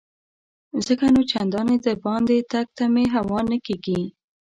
ځکه نو چنداني دباندې تګ ته مې هوا نه کیږي.